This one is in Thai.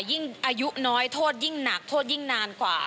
อายุน้อยโทษยิ่งหนักโทษยิ่งนานกว่า